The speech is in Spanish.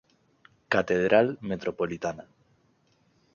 Catedral Metropolitana.